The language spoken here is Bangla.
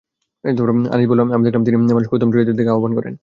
আনীস বলল, আমি দেখলাম, তিনি মানুষকে উত্তম চরিত্রের দিকে আহবান করেন।